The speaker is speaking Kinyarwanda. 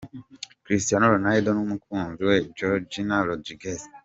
Cristiano Ronaldo n’umukunzi we Georgina Rodriguez.